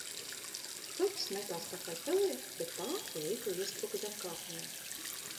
Kaķis metās pakaļ pelei, bet tā veikli iespruka zem kāpnēm